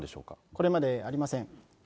これまでありません。